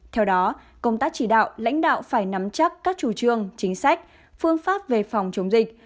theo đó công tác chỉ đạo lãnh đạo phải nắm chắc các chủ trương chính sách phương pháp về phòng chống dịch